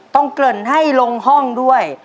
ต้องเกินให้ลงห้องด้วย